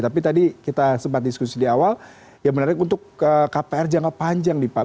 tapi tadi kita sempat diskusi di awal yang menarik untuk kpr jangka panjang nih pak